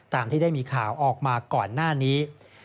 ตามที่ได้มีข่าวออกมาก่อนหน้านี้